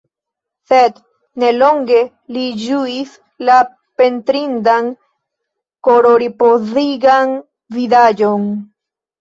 Sed ne longe li ĝuis la pentrindan, kororipozigan vidaĵon.